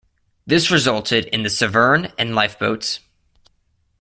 This resulted in the "Severn" and lifeboats.